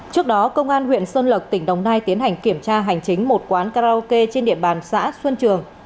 trước đó công an huyện xuân lộc tỉnh đồng nai tiến hành kiểm tra hành chính một quán karaoke trên địa bàn xã xuân trường